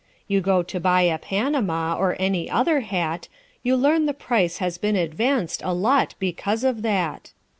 You go to buy a panama, or any other hat; You learn the price has been advanced a lot because of that.